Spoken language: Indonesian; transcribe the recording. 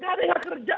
gak ada yang kerja